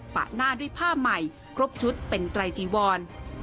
หน้าด้วยผ้าใหม่ครบชุดเป็นไตรจีวร